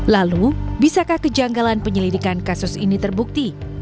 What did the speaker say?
lalu bisakah kejanggalan penyelidikan kasus ini terbukti